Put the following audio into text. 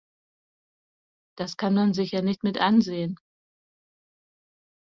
Das kann man sich ja nicht mit ansehen!